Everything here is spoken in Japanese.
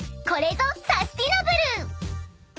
［これぞサスティナブル！］